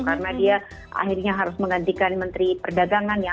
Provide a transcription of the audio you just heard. karena dia akhirnya harus menggantikan menteri perdagangan ya